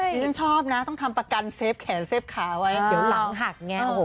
นี่ฉันชอบนะต้องทำประกันเซฟแขนเซฟขาไว้เดี๋ยวหลังหักไงโอ้โหคุณผู้ชม